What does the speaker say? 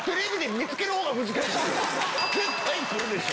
絶対来るでしょ。